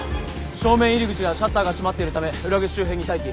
正面入り口はシャッターが閉まっているため裏口周辺に待機。